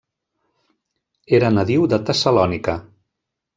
Era nadiu de Tessalònica.